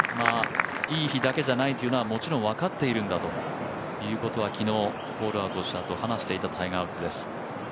いい日だけじゃないというのはもちろん分かっているんだということは昨日、ホールアウトをしたあと話していたタイガー・ウッズです。